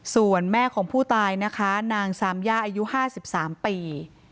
ส่วนแม่ของผู้ตายนะคะนางซามย่าอายุ๕๓ปี